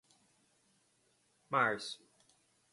março